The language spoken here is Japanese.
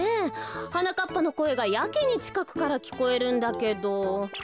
はなかっぱのこえがやけにちかくからきこえるんだけど。